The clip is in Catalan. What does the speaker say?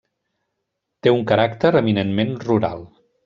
Té un caràcter eminentment rural.